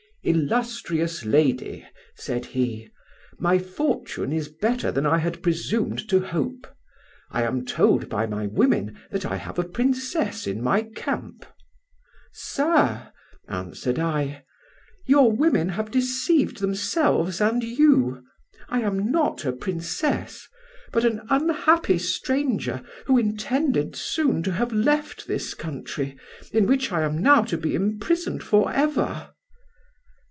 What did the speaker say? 'Illustrious lady,' said he, 'my fortune is better than I had presumed to hope: I am told by my women that I have a princess in my camp.' 'Sir,' answered I, 'your women have deceived themselves and you; I am not a princess, but an unhappy stranger who intended soon to have left this country, in which I am now to be imprisoned for ever.